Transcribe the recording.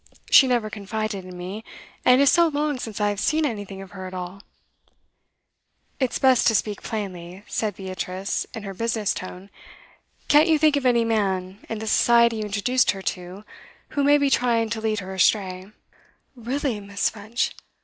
She never confided in me, and it is so long since I have seen anything of her at all.' 'It's best to speak plainly,' said Beatrice, in her business tone. 'Can't you think of any man, in the society you introduced her to, who may be trying to lead her astray?' 'Really, Miss. French!